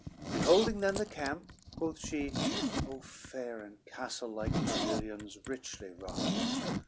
CIV Beholding then the camp, quoth she, "O fair And castle like pavilions, richly wrought!